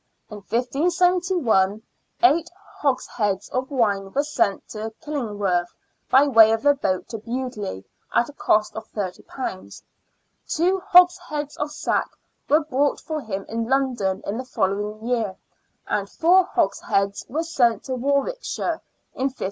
In 1571 eight hogsheads of wine were sent to " Killing worth " by way of a boat to Bewdley, at a cost of £30 ; two hogsheads of sack were bought for him in London in the following year, and four hogsheads were sent to Warwickshire in 1576.